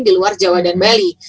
di luar jawa dan bali